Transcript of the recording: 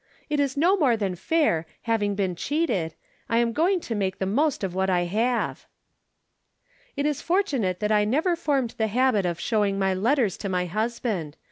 It is no more than fair, From Different Standpoints. 239 having been cheated, I am going to make the most of what I have. It is fortunate that I never formed the habit of showing my letters to my husband.